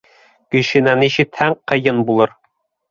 Кешенән ишетһәң, ҡыйын булыр...